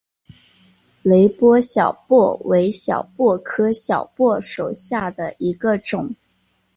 雷波小檗为小檗科小檗属下的一个种。